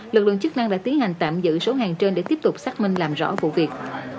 lực lượng chức năng đã tiến hành tạm giữ số hàng trên để tiếp tục xác minh làm rõ vụ việc